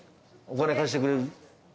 お金貸してくれる？